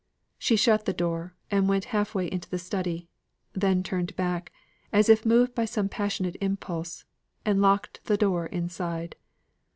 She shut the door, and went half way into the study; then turned back, as if moved by some passionate impulse, and locked the door inside.